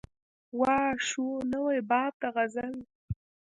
وا شو نوی باب د غزل